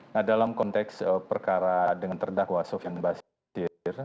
nah dalam konteks perkara dengan terdakwa sofian basir